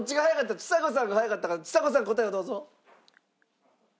ちさ子さんが早かったからちさ子さん答えをどうぞ。